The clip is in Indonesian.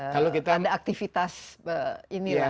kalau kita tidak ada aktivitas ini ya